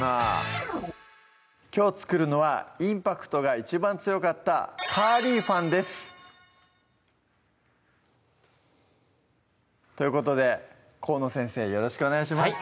きょう作るのはインパクトが一番強かった「カーリーファン」ですということで河野先生よろしくお願いします